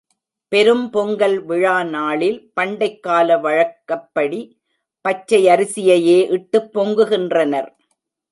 பெரும் பொங்கல் விழா நாளில், பண்டைக் கால வழ்க்கப்படி, பச்சையரிசியையே இட்டுப் பொங்கு கின்றனர்.